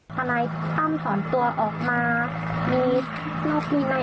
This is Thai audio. ท่านายต้ามถอนตัวออกมามีโรคมีไหม